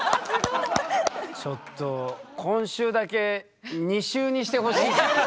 ちょっと今週だけ２週にしてほしいな。